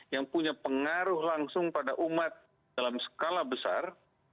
yang punya pengaruh langsung pada umat dalam skala besar